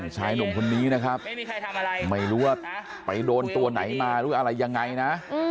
ชายหนุ่มคนนี้นะครับไม่รู้ว่าไปโดนตัวไหนมาหรืออะไรยังไงนะ